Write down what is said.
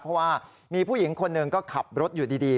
เพราะว่ามีผู้หญิงคนหนึ่งก็ขับรถอยู่ดี